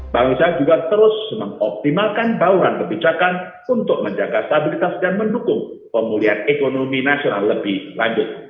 bangsa juga terus mengoptimalkan bauran kebijakan untuk menjaga stabilitas dan mendukung pemulihan ekonomi nasional lebih lanjut